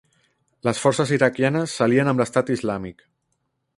Les forces iraquianes s'alien amb l'Estat Islàmic